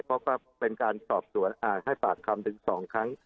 เพราะก็เป็นการสอบสวนให้ปากคำถึง๒ครั้ง